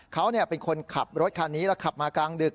เขาเป็นคนขับรถคันนี้แล้วขับมากลางดึก